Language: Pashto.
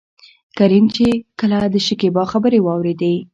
کريم چې کله دشکيبا خبرې واورېدې.